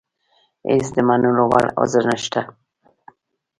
هېڅ د منلو وړ عذر نشته.